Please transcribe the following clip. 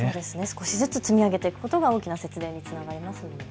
少しずつ積み上げていくことが大きな節電につながりますよね。